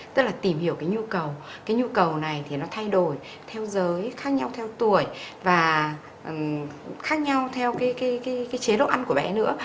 tức là tìm hiểu cái nhu cầu cái nhu cầu này thì nó thay đổi theo giới khác nhau theo tuổi và khác nhau theo cái chế độ ăn của bé nữa